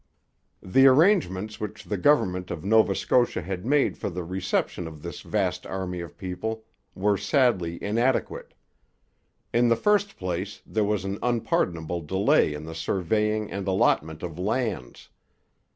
The arrangements which the government of Nova Scotia had made for the reception of this vast army of people were sadly inadequate. In the first place there was an unpardonable delay in the surveying and allotment of lands.